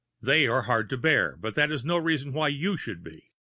They are hard to bear, but that is no reason why you should be.